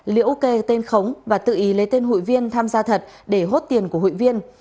liễu kê tên khống và tự ý lấy tên hụi viên tham gia thật để hốt tiền của hụi viên